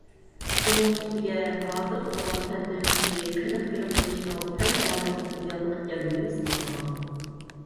ئۇنىڭ ئۈستىگە، ھازىرقى زامان پەن-تېخنىكىسى قېنىق گىرىم قىلىشنىڭ تەن سالامەتلىككە زىيانلىق ئىكەنلىكىنى ئىسپاتلىغان.